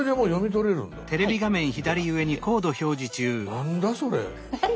何だそれ。